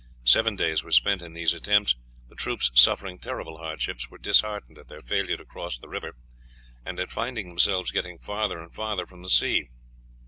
Seven days were spent in these attempts; the troops, suffering terrible hardships, were disheartened at their failure to cross the river, and at finding themselves getting farther and farther from the sea.